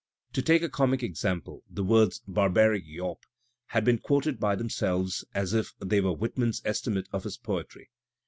To take a comic example, the words "barbaric yawp'* have been quoted by themselves as if they were Whitman's estimate of his poetry!